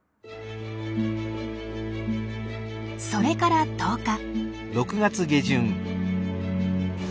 それから１０日。